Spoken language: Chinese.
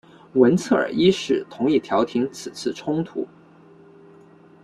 文策尔一世同意调停此次冲突。